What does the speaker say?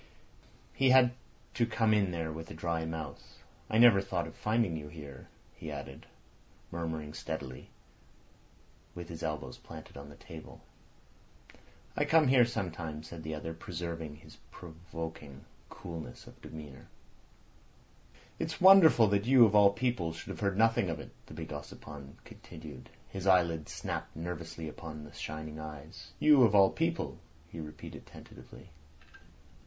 He had to come in there with a dry mouth. "I never thought of finding you here," he added, murmuring steadily, with his elbows planted on the table. "I come here sometimes," said the other, preserving his provoking coolness of demeanour. "It's wonderful that you of all people should have heard nothing of it," the big Ossipon continued. His eyelids snapped nervously upon the shining eyes. "You of all people," he repeated tentatively.